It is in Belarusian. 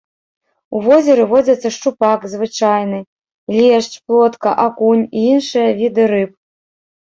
У возеры водзяцца шчупак звычайны, лешч, плотка, акунь і іншыя віды рыб.